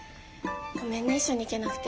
ごめんね一緒に行けなくて。